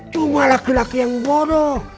cuma laki laki yang boro